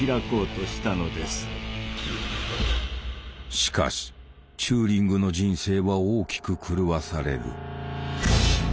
しかしチューリングの人生は大きく狂わされる。